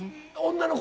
女の子？